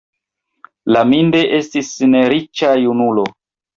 Laminde estis neriĉa junulo.